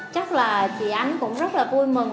chắc là chị anh cũng rất là vui mừng